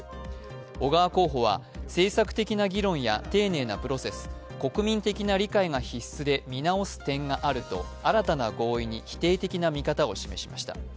小川候補は政策的な議論や丁寧なプロセス、国民的な理解が必須で、見直す点があると新たな合意に否定的な見方を示しました。